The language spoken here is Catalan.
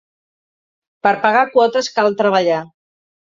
Per pagar quotes cal treballar.